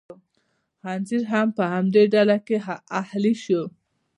خنزیر هم په همدې ډله کې اهلي شو.